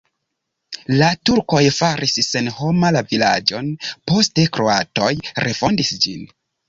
La turkoj faris senhoma la vilaĝon, poste kroatoj refondis ĝin.